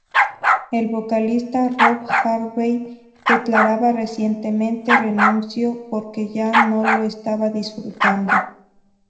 El vocalista Rob Harvey declaraba recientemente "renuncio porque ya no lo estaba disfrutando.